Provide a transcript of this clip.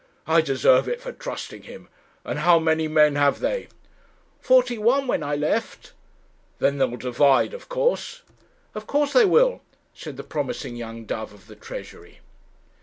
'I deserve it for trusting him and how many men have they?' 'Forty one when I left.' 'Then they'll divide, of course?' 'Of course they will,' said the promising young dove of the Treasury.